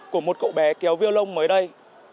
của một cậu bé kéo viêu lông mới đây